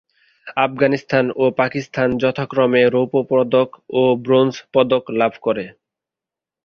আফগানিস্তান ও পাকিস্তান যথাক্রমে রৌপ্যপদক ও ব্রোঞ্জপদক লাভ করে।